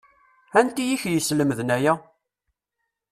Anti i k-yeslemden aya?